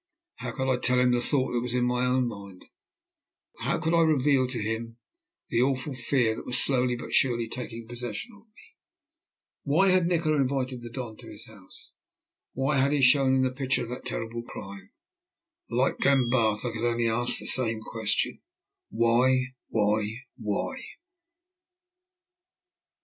How could I tell him the thought that was in my own mind? How could I reveal to him the awful fear that was slowly but surely taking possession of me? Why had Nikola invited the Don to his house? Why had he shown him the picture of that terrible crime? Like Glenbarth I could only ask the same question Why? Why?